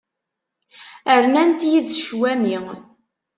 Rnant yid-s cwami.